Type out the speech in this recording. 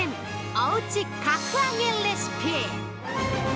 おうち格上げレシピ。